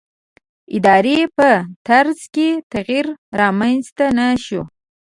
ادارې په طرز کې تغییر رامنځته نه شو.